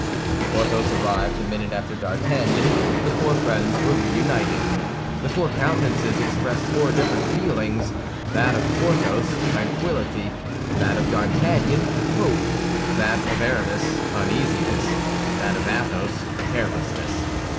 Porthos arrived a minute after D'Artagnan. The four friends were reunited. The four countenances expressed four different feelings: that of Porthos, tranquillity; that of D'Artagnan, hope; that of Aramis, uneasiness; that of Athos, carelessness.